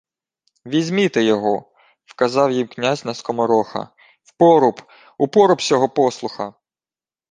— Візьміте його... — вказав їм князь на скомороха. — В поруб... У поруб сього послуха!..